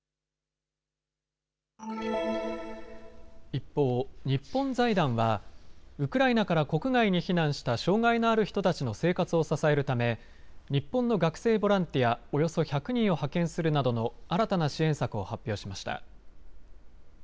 一方、日本財団はウクライナから国外に避難した障害のある人たちの生活を支えるため日本の学生ボランティアおよそ１００人を派遣するなどの新たな支援策を発表しました。